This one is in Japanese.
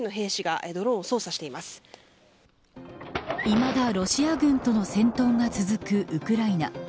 いまだロシア軍との戦闘が続くウクライナ